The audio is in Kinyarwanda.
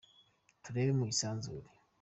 Turebe mu isanzure.